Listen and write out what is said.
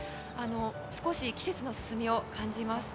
少し季節の進みを感じます。